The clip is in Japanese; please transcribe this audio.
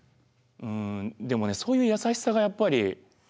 でもねそういう優しさがやっぱり。